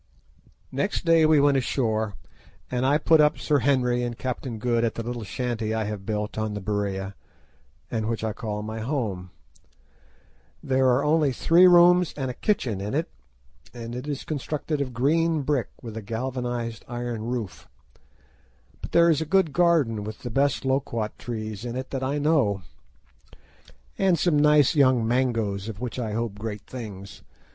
Next day we went ashore, and I put up Sir Henry and Captain Good at the little shanty I have built on the Berea, and which I call my home. There are only three rooms and a kitchen in it, and it is constructed of green brick with a galvanised iron roof, but there is a good garden with the best loquot trees in it that I know, and some nice young mangoes, of which I hope great things.